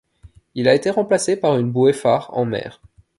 Il a été remplacé par une bouée-phare en mer.